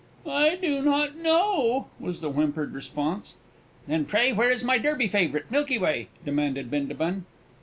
"I do not know," was the whimpered response. "Then pray where is my Derby favourite, Milky Way?" demanded Bindabun.